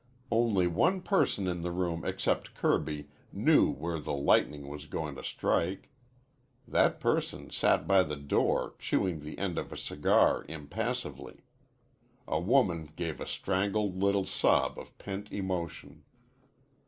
Only one person in the room except Kirby knew where the lightning was going to strike. That person sat by the door chewing the end of a cigar impassively. A woman gave a strangled little sob of pent emotion.